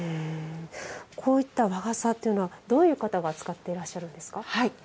こういった和傘はどういった方が使っていらっしゃるんですか？